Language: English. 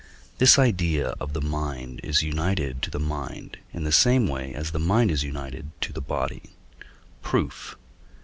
XXI. This idea of the mind is united to the mind in the same way as the mind is united to the body. Proof.